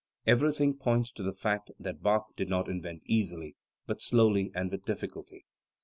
Everything points to the fact that Bach did not invent easily, but slowly and with difficulty.